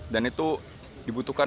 dan itu dibutuhkan